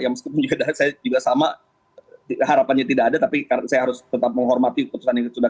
ya meskipun saya juga sama harapannya tidak ada tapi saya harus tetap menghormati keputusan yang sudah